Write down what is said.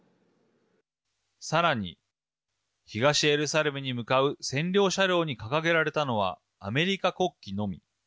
さらに東エルサレムに向かう専用車両に掲げられたのはアメリカ国旗のみ。